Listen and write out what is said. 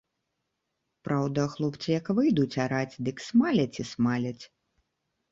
Праўда, хлопцы як выйдуць араць, дык смаляць і смаляць.